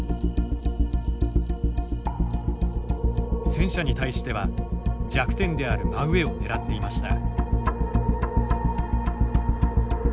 戦車に対しては、弱点である真上を狙っていました。